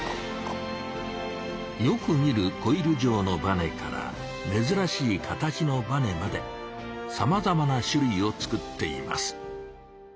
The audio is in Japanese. よく見るコイル状のバネからめずらしい形のバネまでさまざまな種類を作っています。